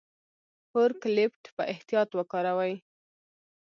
فورک لیفټ په احتیاط وکاروئ.